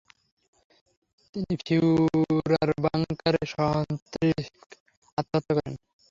তিনি ফিউরারবাংকারে সস্ত্রীক আত্মহত্যা করেন।